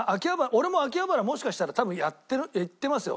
俺も秋葉原もしかしたら多分やって言ってますよ。